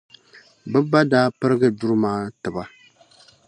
Bɛ ba daa pirigi duri maa ti ba.